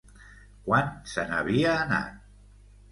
Quan se n'havia anat?